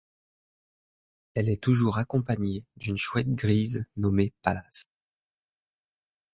Elle est toujours accompagnée d'une chouette grise nommée Pallas.